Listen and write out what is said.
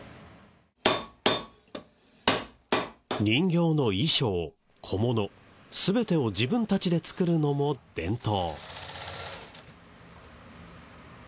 人形の衣装小物全てを自分たちで作るのも伝統。